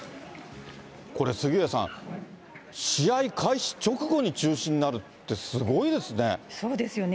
これ、杉上さん、試合開始直後に中止になるって、すごいですそうですよね。